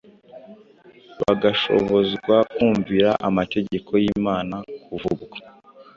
bagashobozwa kumvira amategeko y’Imana kuva ubwo.